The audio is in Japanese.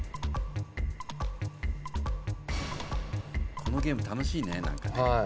このゲーム楽しいね何かね。